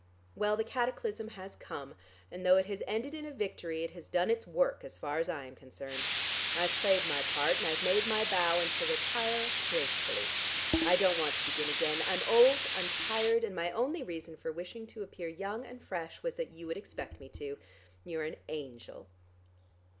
Well, the cataclysm has come, and though it has ended in victory, it has done its work as far as I am concerned. I've played my part, and I've made my bow, and shall retire gracefully. I don't want to begin again. I'm old, I'm tired, and my only reason for wishing to appear young and fresh was that you would expect me to. You are an angel."